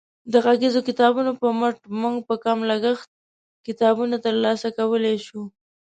د غږیزو کتابونو په مټ موږ په کم لګښت کتابونه ترلاسه کولی شو.